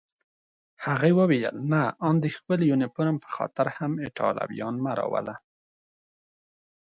هغې وویل: نه، آن د ښکلي یونیفورم په خاطر هم ایټالویان مه راوله.